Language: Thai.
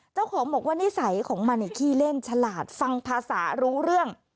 เจ้าของบอกว่านิสัยของมันขี้เล่นฉลาดฟังภาษารู้เรื่อง